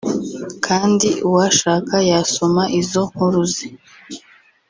Kandi uwashaka yasoma izo nkuru ze